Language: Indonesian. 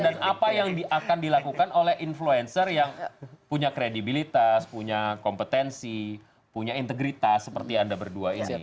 dan apa yang akan dilakukan oleh influencer yang punya kredibilitas punya kompetensi punya integritas seperti anda berdua ini